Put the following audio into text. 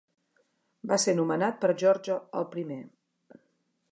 Va ser nomenat per a George el primer.